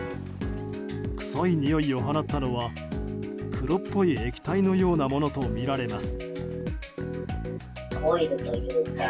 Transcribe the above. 臭いにおいを放ったのは黒っぽい液体のようなものとみられます。